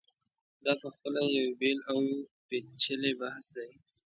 دا په خپله یو بېل او پېچلی بحث دی.